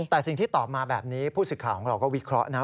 แต่สิ่งที่ตอบมาแบบนี้ผู้สื่อข่าวของเราก็วิเคราะห์นะ